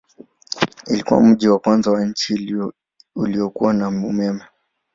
Ilikuwa mji wa kwanza wa nchi uliokuwa na umeme.